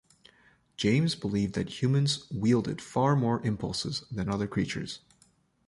James believed that humans wielded far more impulses than other creatures.